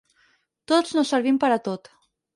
Tots no servim per a tot.